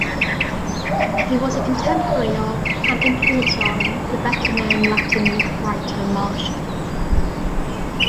He was a contemporary of, and influence on, the better-known Latin writer Martial.